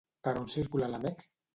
Per on circula la Meg?